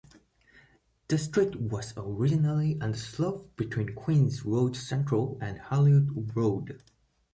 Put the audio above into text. The street was originally on the slope between Queen's Road Central and Hollywood Road.